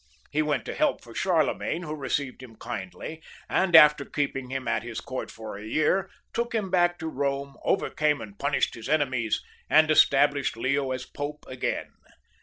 He went for help to Charlemagne, who received him kindly, and after keeping him at his court for a year, took him back to Bome, overcame and punished his enemies, and estab lished Leo as Pope again.